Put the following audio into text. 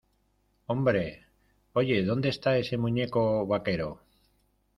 ¡ Hombre! ¿ oye, dónde esta ese muñeco vaquero?